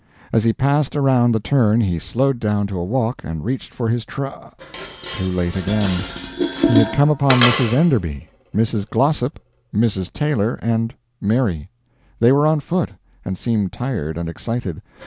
As he passed around the turn he slowed down to a walk, and reached for his tr too late again. He had come upon Mrs. Enderby, Mrs. Glossop, Mrs. Taylor, and Mary. They were on foot, and seemed tired and excited.